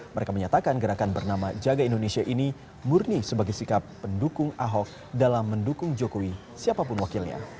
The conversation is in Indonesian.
mereka menyatakan gerakan bernama jaga indonesia ini murni sebagai sikap pendukung ahok dalam mendukung jokowi siapapun wakilnya